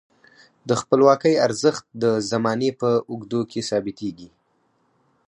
د خپلواکۍ ارزښت د زمانې په اوږدو کې ثابتیږي.